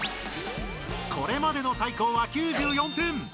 これまでの最高は９４点！